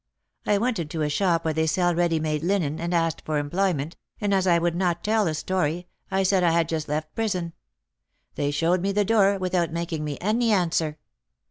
I went into a shop where they sell ready made linen, and asked for employment, and as I would not tell a story, I said I had just left prison. They showed me the door, without making me any answer.